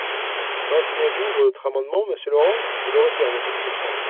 Maintenez-vous votre amendement, monsieur Laurent ? Je le retire, monsieur le président.